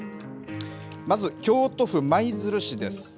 まず、京都府舞鶴市です。